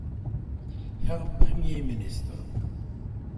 Herr Premierminister!